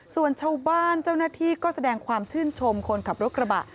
ส่วนชาวบ้านเจ้าหน้าที่ก็แสดงความชื่นชมคนขับรถกระบะ